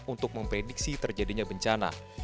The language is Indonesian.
untuk memprediksi terjadinya bencana